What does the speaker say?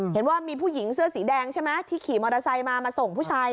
เห็นว่ามีผู้หญิงเสื้อสีแดงใช่ไหมที่ขี่มอเตอร์ไซค์มามาส่งผู้ชาย